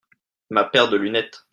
ma paire de lunettes.